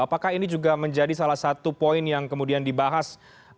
apakah ini juga menjadi salah satu poin yang kemudian dibahas